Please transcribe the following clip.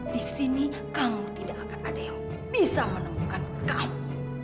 di sini kamu tidak akan ada yang bisa menemukan kamu